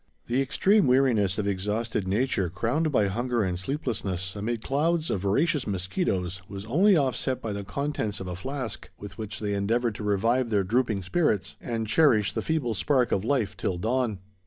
The extreme weariness of exhausted nature, crowned by hunger and sleeplessness amid clouds of voracious mosquitoes, was only offset by the contents of a flask, with which they endeavored to revive their drooping spirits, and cherish the feeble spark of life till dawn.